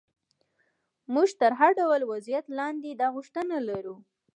موږ تر هر ډول وضعیت لاندې دا غوښتنه لرو.